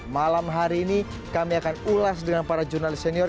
malam hari ini kami akan ulas dengan para jurnalis senior